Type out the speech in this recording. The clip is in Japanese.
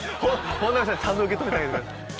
本並さん受け止めてあげてください。